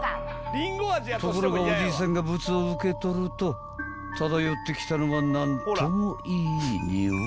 ［ところがおじいさんがブツを受け取ると漂ってきたのは何とも］